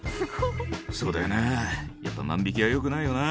「そうだよなやっぱ万引はよくないよな」